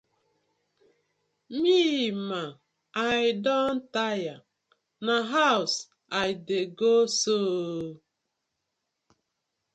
Mi ma, I don tire, na hawz I dey go so ooo.